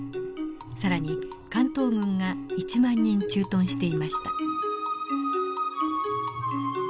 更に関東軍が１万人駐屯していました。